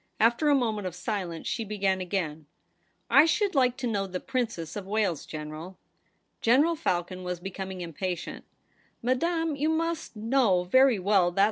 After a moment of silence, she began again :' I should like to know the Princess of Wales, General.' General Falcon was becoming impatient. * Madame, you must know very well that THE PRINCESS AT HOME.